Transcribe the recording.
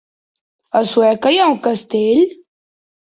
A Sueca hi ha un castell?